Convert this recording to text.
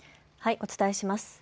お伝えします。